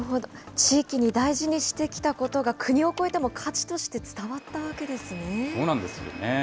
地域に大事にしてきたことが、国を越えても価値として伝わったわそうなんですよね。